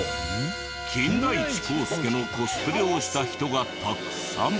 金田一耕助のコスプレをした人がたくさん。